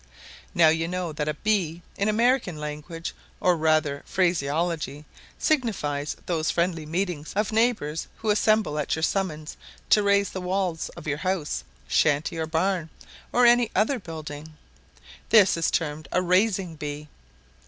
Now you know that a "bee," in American language, or rather phraseology, signifies those friendly meetings of neighbours who assemble at your summons to raise the walls of your house, shanty, barn, or any other building: this is termed a "raising bee."